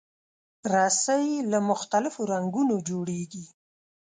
رسۍ له مختلفو رنګونو جوړېږي.